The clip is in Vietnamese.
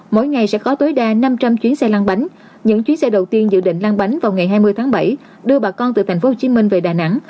mỗi ngày sẽ có tối đa năm trăm linh chuyến xe lăng bánh những chuyến xe đầu tiên dự định lan bánh vào ngày hai mươi tháng bảy đưa bà con từ tp hcm về đà nẵng